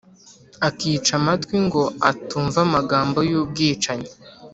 akica amatwi ngo atumva amagambo y’ubwicanyi,